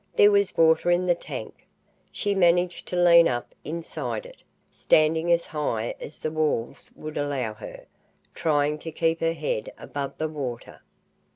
There was water in the tank. She managed to lean up inside it, standing as high as the walls would allow her, trying to keep her head above the water.